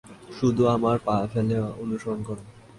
শুধু আমার পা ফেলা অনুসরণ করো।